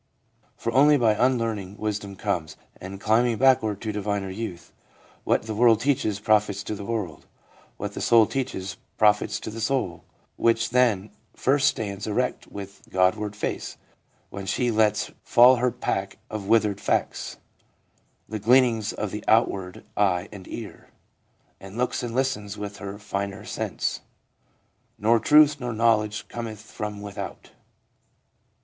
1 For only by unlearning, Wisdom comes, And climbing backward to diviner Youth ; What the world teaches profits to the world, What the soul teaches profits to the soul, Which then first stands erect with God ward face, When she lets fall her pack of withered facts, The gleanings of the outward eye and ear, And looks and listens with her finer sense ; Nor Truth nor Knowledge cometh from without.'